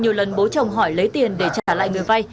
khi ông luận không hỏi lấy tiền để trả lại người vây